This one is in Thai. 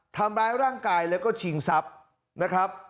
ทำร้ายร่างกายแล้วก็ชิงทรัพย์นะครับ